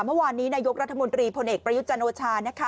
เมื่อวานนี้นายกรัฐมนตรีพลเอกประยุจันโอชานะคะ